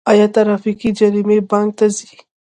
آیا ټرافیکي جریمې بانک ته ځي؟